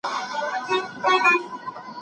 سوسیالستي هیوادونه خپلې تګلارې لري.